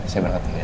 saya berkati ya